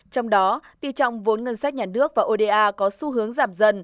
trong đó tỷ trọng vốn ngân sách nhà nước và oda có xu hướng giảm dần